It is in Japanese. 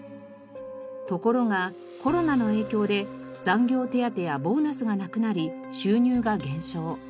ところがコロナの影響で残業手当やボーナスがなくなり収入が減少。